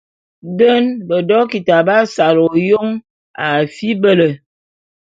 Den bedokita b'asal ôyôn a fibele.